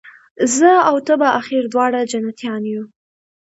زه او ته به آخر دواړه جنتیان یو